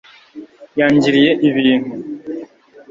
yangiriye ibintu